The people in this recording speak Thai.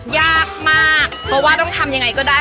ยากมากเพราะว่าต้องทำยังไงก็ได้